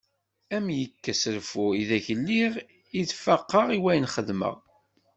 Arm iyi-ikkes reffu i deg lliɣ i d-faqeɣ i wayen i xedmeɣ.